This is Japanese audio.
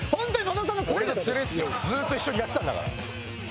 ずっと一緒にやってたんだから。